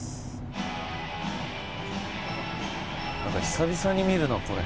なんか久々に見るなこれ。